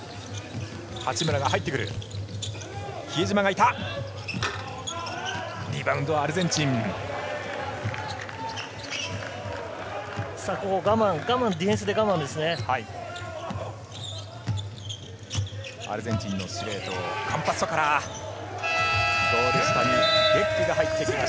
八村が入ってくる。